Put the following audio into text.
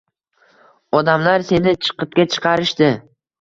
Odamlar seni chiqitga chiqarishdi.